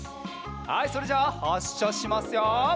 はいそれじゃあはっしゃしますよ！